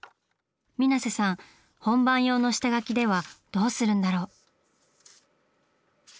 水瀬さん本番用の下描きではどうするんだろう？